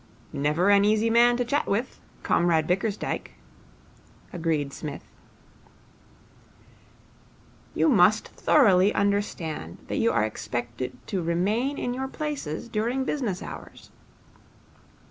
'Never an easy man to chat with, Comrade Bickersdyke,' agreed Psmith. 'You must thoroughly understand that you are expected to remain in your places during business hours.'